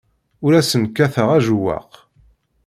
Ur asen-kkateɣ ajewwaq.